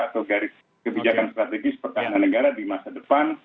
atau garis kebijakan strategis pertahanan negara di masa depan